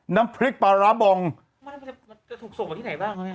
น้ำพริกปลาร้าบองมันถูกสกกว่าที่ไหนบ้าง